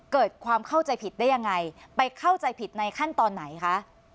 เกิดความเข้าใจผิดได้ยังไงไปเข้าใจผิดในขั้นตอนไหนคะ